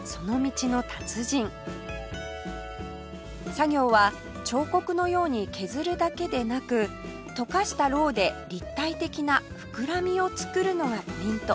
作業は彫刻のように削るだけでなく溶かしたろうで立体的な膨らみを作るのがポイント